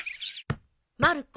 まる子